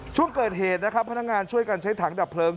ช่วงเกิดเหตุนะครับพนักงานช่วยกันใช้ถังดับเพลิง